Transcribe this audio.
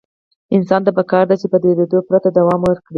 انسان ته پکار ده چې په درېدو پرته دوام ورکړي.